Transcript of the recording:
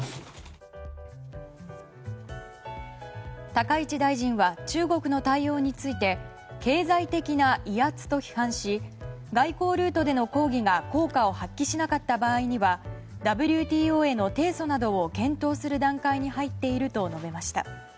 高市大臣は中国の対応について経済的な威圧と批判し外交ルートでの抗議が効果を発揮しなかった場合にはＷＴＯへの提訴などを検討する段階に入っていると述べました。